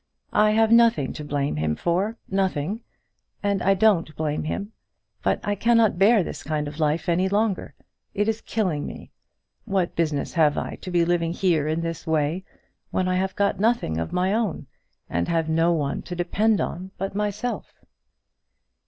I have nothing to blame him for, nothing; and I don't blame him; but I cannot bear this kind of life any longer. It is killing me. What business have I to be living here in this way, when I have got nothing of my own, and have no one to depend on but myself?"